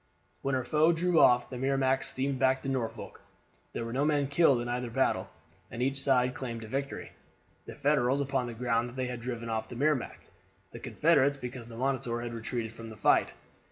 When her foe drew off the Merrimac steamed back to Norfolk. There were no men killed in either battle, and each side claimed a victory; the Federals upon the ground that they had driven off the Merrimac, the Confederates because the Monitor had retreated from the fight.